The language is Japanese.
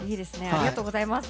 ありがとうございます。